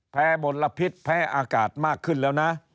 มลพิษแพ้อากาศมากขึ้นแล้วนะ